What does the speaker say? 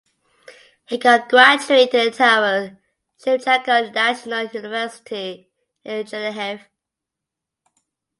He got graduate in The Taras Shevchenko National University in Chernihiv.